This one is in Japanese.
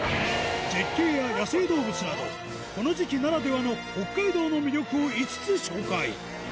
絶景や野生動物などこの時期ならではの北海道の魅力を５つ紹介